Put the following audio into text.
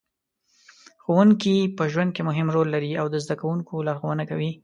ښوونکې په ژوند کې مهم رول لري او د زده کوونکو لارښوونه کوي.